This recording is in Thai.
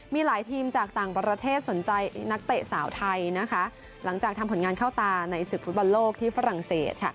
มีหลายทีมจากต่างประเทศสนใจนักเตะสาวไทยนะคะหลังจากทำผลงานเข้าตาในศึกฟุตบอลโลกที่ฝรั่งเศส